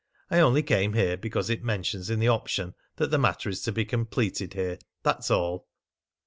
I only came here because it mentions in the option that the matter is to be completed here; that's all."